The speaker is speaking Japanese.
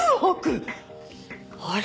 あれ？